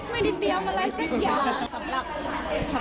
ไม่ได้เตรียมอะไรสักยาน